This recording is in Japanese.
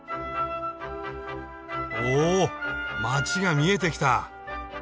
お街が見えてきた。